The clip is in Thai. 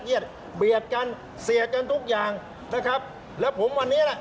แล้วรถไฟวิ่งผ่านที่จะเป็นรถไฟแบบไม่ได้มีแอร์